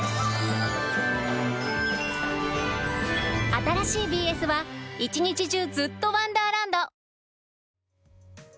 新しい ＢＳ は１日中ずっとワンダーランド。